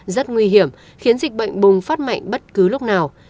rất nguy hiểm khiến dịch bệnh bùng phát mạnh bất cứ lúc nào